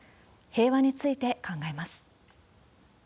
平和について考えます。